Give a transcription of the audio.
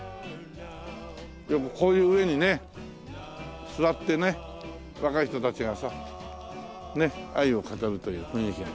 よくこういう上にね座ってね若い人たちがさねっ愛を語るという雰囲気に。